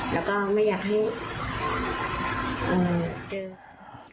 แล้วก็ไม่อยากให้เจอ